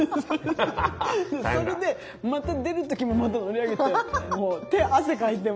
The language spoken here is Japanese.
それでまた出る時もまた乗り上げてもう手汗かいてもう。